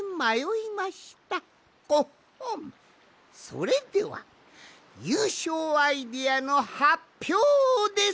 それではゆうしょうアイデアのはっぴょうです。